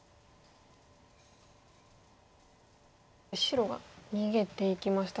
白が逃げていきましたが。